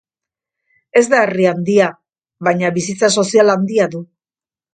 Ez da herri handia, baina bizitza sozial handia du.